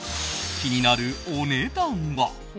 気になるお値段は。